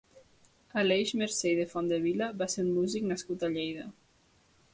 Aleix Mercé i de Fondevila va ser un músic nascut a Lleida.